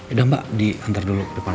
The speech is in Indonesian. udah mbak diantar dulu ke depan